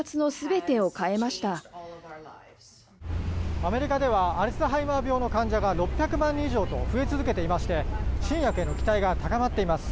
アメリカではアルツハイマー病の患者が６００万人以上と増え続けていまして新薬への期待が高まっています。